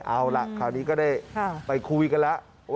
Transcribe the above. เอาล่ะคราวนี้ก็ได้ไปคุยกันแล้ว